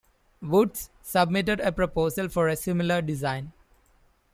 Woods, submitted a proposal for a similar design.